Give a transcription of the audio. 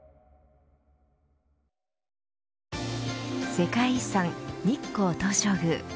世界遺産、日光東照宮。